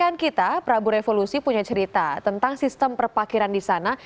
kemudian kita prabu revolusi punya cerita tentang sistem perpakiran di sana